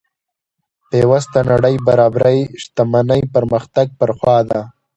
پیوسته نړۍ برابرۍ شتمنۍ پرمختګ پر خوا ده.